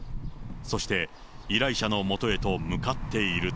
そして、依頼者のもとへと向かっていると。